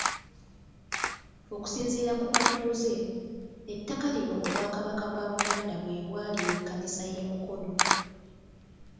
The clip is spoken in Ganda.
Okusinziira ku batuuze, ettaka lino Obwakabaka bwa Buganda bwe bwaliwa Ekkanisa y'e Mukono.